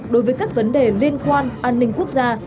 đối với các vấn đề liên quan an ninh quốc gia